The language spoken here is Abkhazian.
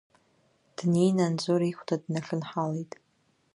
Днеины Анзор ихәда днахьынҳалеит.